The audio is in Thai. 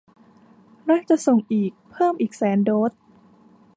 และจะส่งอีกเพิ่มอีกแสนโดส